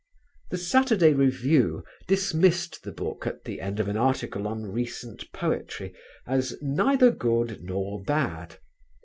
The Saturday Review dismissed the book at the end of an article on "Recent Poetry" as "neither good nor bad."